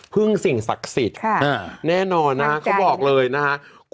สิ่งศักดิ์สิทธิ์แน่นอนนะเขาบอกเลยนะฮะ